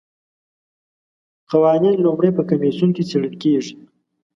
قوانین لومړی په کمیسیون کې څیړل کیږي.